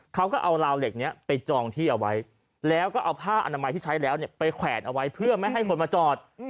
เขาก็เอาราวเหล็กนี้ไปจองที่เอาไว้แล้วก็เอาผ้าอนามัยที่ใช้แล้วไปแขวนเอาไว้เพื่อไม่ให้คนมาจอด